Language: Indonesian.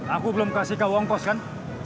aku belum kasih kau uang pos kan